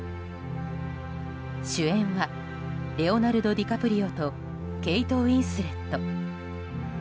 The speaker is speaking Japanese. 主演はレオナルド・ディカプリオとケイト・ウィンスレット。